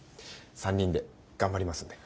３人で頑張りますんで。